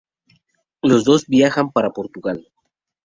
Los dos viajan para Portugal.